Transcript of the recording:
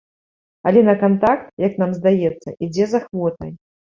Але на кантакт, як нам здаецца, ідзе з ахвотай.